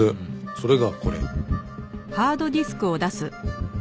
それがこれ。